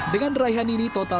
dengan raihan ini total lima kg